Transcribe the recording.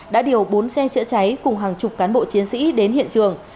đã điều bốn xe chữa cháy cùng hàng chục cán bộ chiến sĩ đến hiện trường